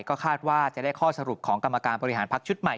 ก็คาดว่าจะได้ข้อสรุปของกรรมการบริหารพักชุดใหม่